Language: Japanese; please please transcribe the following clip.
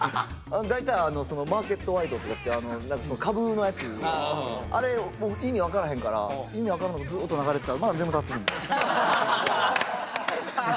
大体「マーケットワイド」って株のやつあれ僕意味分からへんから意味分からんのがずっと流れてたらまた眠たなってくんねん。